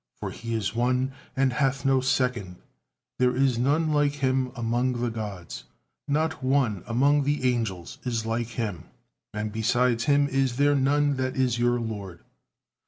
For He is One, and hath no second, there is none like Him among the gods, not one among the angels is like Him, and beside Him is there none that is your Lord.